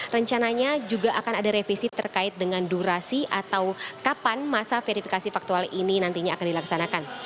rencananya juga akan ada revisi terkait dengan durasi atau kapan masa verifikasi faktual ini nantinya akan dilaksanakan